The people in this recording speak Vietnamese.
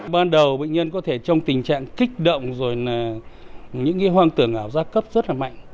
ban đầu bệnh nhân có thể trong tình trạng kích động rồi là những hoang tưởng ảo gia cấp rất là mạnh